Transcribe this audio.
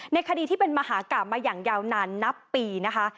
คดีที่เป็นมหากราบมาอย่างยาวนานนับปีนะคะ